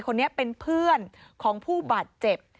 คนนี้เป็นเพื่อนของผู้บาดเจ็บ